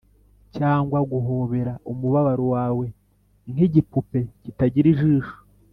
cyangwa guhobera umubabaro wawe nkigipupe kitagira ijisho